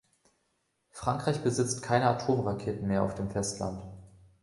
Frankreich besitzt keine Atomraketen mehr auf dem Festland.